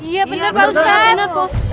iya bener pak ustadz